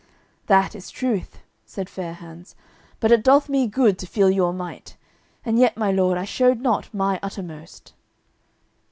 "That is truth," said Fair hands, "but it doth me good to feel your might, and yet, my lord, I showed not my uttermost."